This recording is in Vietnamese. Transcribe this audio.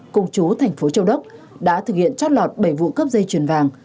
cung chú thành phố châu đốc đã thực hiện trót lọt bảy vụ cấp dây chuyển vàng